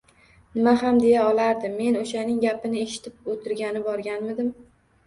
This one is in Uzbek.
-Nima ham deya olardi, men o’shaning gapini eshitib o’tirgani borganmidim.